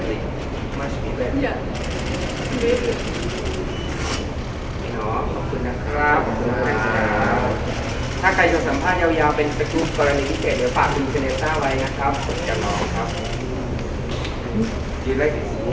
เพราะว่าพวกมันต้องรักษาอินเตอร์